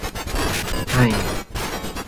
হায়!